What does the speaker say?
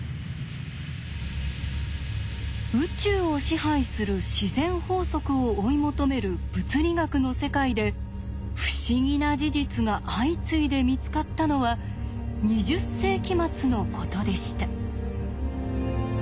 宇宙を支配する自然法則を追い求める物理学の世界で不思議な事実が相次いで見つかったのは２０世紀末のことでした。